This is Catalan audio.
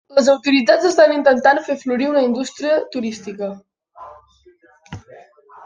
Les autoritats estan intentant fer florir una indústria turística.